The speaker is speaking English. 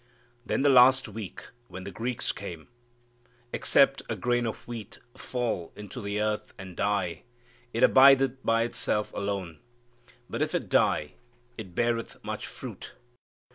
Then the last week when the Greeks came; "Except a grain of wheat fall into the earth and die, it abideth by itself alone; but if it die, it beareth much fruit."